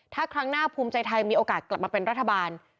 ถ้าครั้งหน้าภูมิใจไทยมีโอกาสกลับมาเป็นรัฐบาล